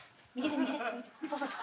そうそうそう。